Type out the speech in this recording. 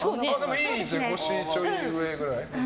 いいですね、腰ちょい上くらい。